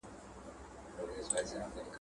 ولي د ږدن په پټي کي له ډاره اتڼ ړنګیږي؟